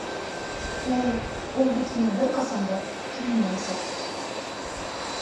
Ул... ул бит һиңә бер ҡасан да... килмәйәсәк...